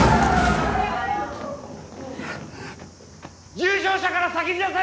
重傷者から先に出せ！